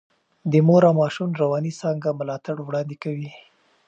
د مور او ماشوم رواني څانګه ملاتړ وړاندې کوي.